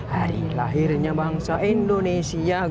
hari lahirnya bangsa indonesia